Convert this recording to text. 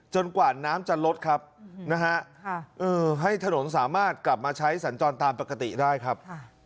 กว่าน้ำจะลดครับนะฮะให้ถนนสามารถกลับมาใช้สัญจรตามปกติได้ครับ